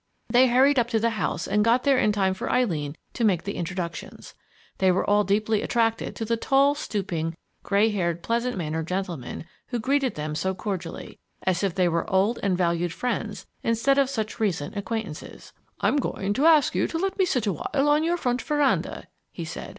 They hurried up to the house and got there in time for Eileen to make the introductions. They were all deeply attracted to the tall, stooping, gray haired, pleasant mannered gentleman who greeted them so cordially as if they were old and valued friends instead of such recent acquaintances. "I'm going to ask you to let me sit awhile on your front veranda," he said.